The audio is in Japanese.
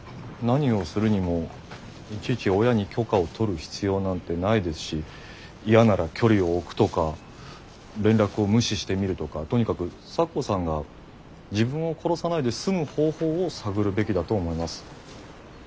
何をするにもいちいち親に許可を取る必要なんてないですし嫌なら距離を置くとか連絡を無視してみるとかとにかく咲子さんが自分を殺さないで済む方法を探るべきだと思います。